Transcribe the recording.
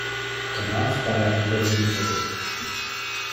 Danach war er in Berlin tätig.